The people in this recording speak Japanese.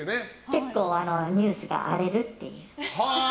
結構、ニュースが荒れるっていう。